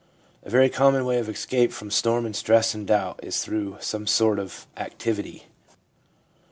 A very common way of escape from storm and stress and doubt is through some sort of activity.